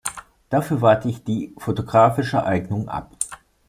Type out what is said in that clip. Dafür warte ich die fotografische Eignung ab.